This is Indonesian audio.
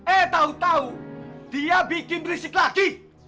eh tahu tahu dia bikin risik lagi